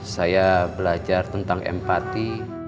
saya belajar tentang empati